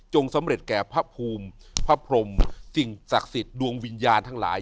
สำเร็จแก่พระภูมิพระพรมสิ่งศักดิ์สิทธิ์ดวงวิญญาณทั้งหลาย